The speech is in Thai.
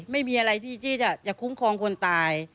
ไม่มีอะไรที่จะคุ้มครองคนตาย